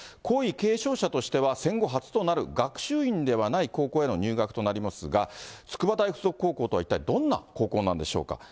皇位継承者としては、戦後初となる学習院ではない高校への入学となりますが、筑波大附属高校とは、一体どんな高校なんでしょうか。